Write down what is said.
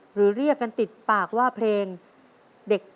หรือเรียกกันติดปากว่าเพลงเด็กเอ๋ยเด็กขาว